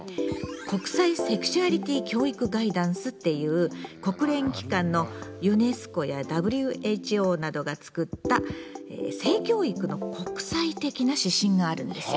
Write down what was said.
「国際セクシュアリティ教育ガイダンス」っていう国連機関のユネスコやＷＨＯなどが作った性教育の国際的な指針があるんです。